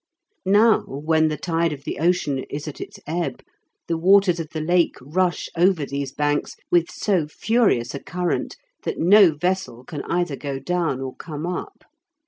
Now when the tide of the ocean is at its ebb, the waters of the Lake rush over these banks with so furious a current that no vessel can either go down or come up.